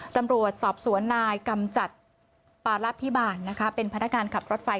ตำรวจสอบสวนนายกำจัดปาระพิบาลนะคะเป็นพนักงานขับรถไฟ